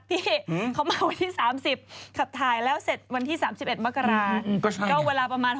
พี่เขามาวันที่๓๐ขับถ่ายแล้วเสร็จวันที่๓๑มากรา